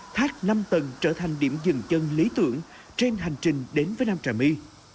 thác năm tầng trở thành điểm dừng chân lý tưởng trên hành trình đến với nam trà my